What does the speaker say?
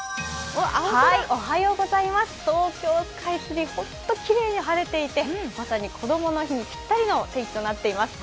東京スカイツリー、ホントきれいに晴れていてまさにこどもの日にぴったりの天気となっています。